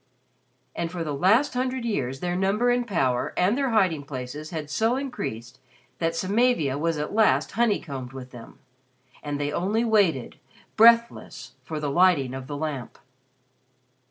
And for the last hundred years their number and power and their hiding places had so increased that Samavia was at last honeycombed with them. And they only waited, breathless, for the Lighting of the Lamp.